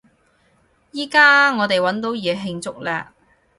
依加我哋搵到嘢慶祝喇！